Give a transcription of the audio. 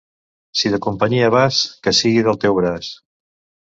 Si de companyia vas, que sigui del teu braç.